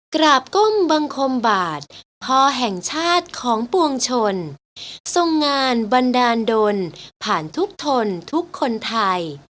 กราบก้มบังคมบาทพอแห่งชาติของปวงชนทรงงานบันดาลดนผ่านทุกทนทุกคนไทย